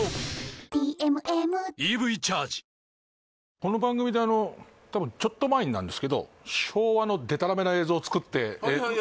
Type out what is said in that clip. この番組でたぶんちょっと前になんですけど昭和のでたらめな映像作ってはい